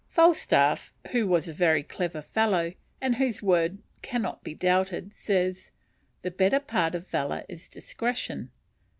Falstaff, who was a very clever fellow, and whose word cannot be doubted, says, "The better part of valour is discretion."